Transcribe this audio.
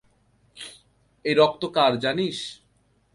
এই রক্ত কার জানিস?